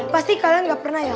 pasti kalian nggak pernah ya